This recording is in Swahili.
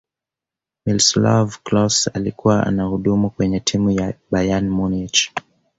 miloslav klose alikuwa anahudumu kwenye timu ya bayern munich